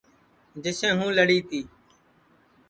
جسے ہوں لڑی تی